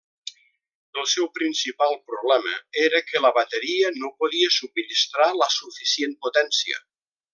El seu principal problema era que la bateria no podia subministrar la suficient potència.